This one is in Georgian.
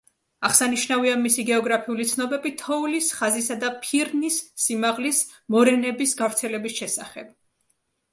აღსანიშნავია მისი გეოგრაფიული ცნობები თოვლის ხაზისა და ფირნის სიმაღლის, მორენების გავრცელების შესახებ.